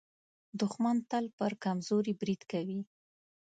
دښمن تل پر کمزوري برید کوي